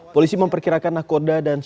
polisi memperkirakan nakoda dan syah bandar